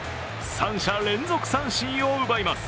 ３者連続三振を奪います。